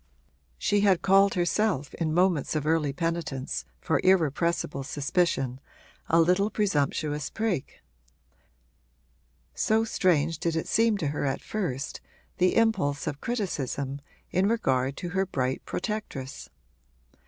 She had called herself in moments of early penitence for irrepressible suspicion a little presumptuous prig: so strange did it seem to her at first, the impulse of criticism in regard to her bright protectress.